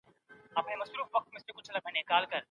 انټرنیټ زده کوونکي له انزوا او یوازیتوب څخه ساتي.